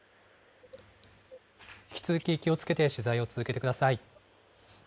引き続き気をつけて取材を続けてください。